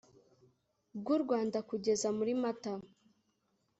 bw'u rwanda kugeza muri mata .